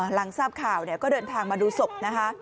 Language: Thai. หลังทราบข่าวก็เดินทางมาดูศพนะคะ